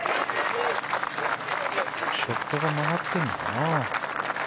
ショットが曲がっているのかな？